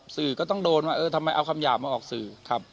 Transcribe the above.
สื่อก็ต้องโดนว่าเออทำไมเอาคำหยาบมาออกสื่อครับ